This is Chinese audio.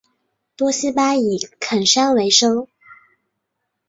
多希巴以垦山为生。